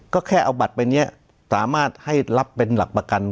ก็แค่เอาบัตรใบนี้สามารถให้รับเป็นหลักประกัน